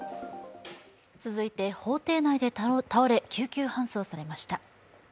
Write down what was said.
続いて、法廷内で倒れ救急搬送されました。